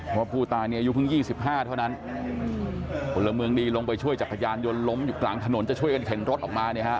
เพราะผู้ตายเนี่ยอายุเพิ่ง๒๕เท่านั้นพลเมืองดีลงไปช่วยจักรยานยนต์ล้มอยู่กลางถนนจะช่วยกันเข็นรถออกมาเนี่ยฮะ